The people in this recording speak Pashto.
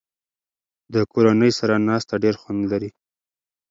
د کورنۍ سره ناسته ډېر خوند لري.